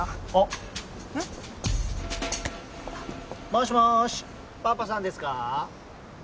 もしもしパパさんですか？